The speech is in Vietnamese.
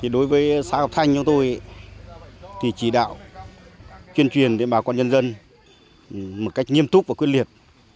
đối với xã hợp thanh chúng tôi thì chỉ đạo chuyên truyền đến bà con nhân dân một cách nghiêm túc và quyết liệt